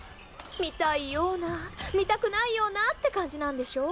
見たいような見たくないようなって感じなんでしょ？